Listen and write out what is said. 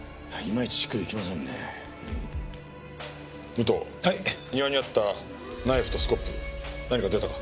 武藤庭にあったナイフとスコップ何か出たか？